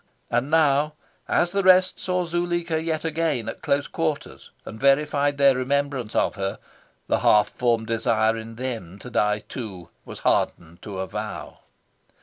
And now, as the rest saw Zuleika yet again at close quarters, and verified their remembrance of her, the half formed desire in them to die too was hardened to a vow.